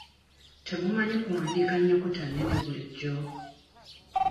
Temumanyi kuwandiika nnyukuta nnene bulijjo?